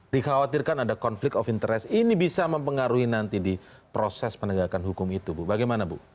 dikhawatirkan ada konflik of interest ini bisa mempengaruhi nanti di proses penegakan hukum itu bu bagaimana bu